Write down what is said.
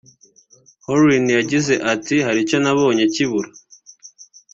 Houlin yagize ati “Hari icyo nabonye kibura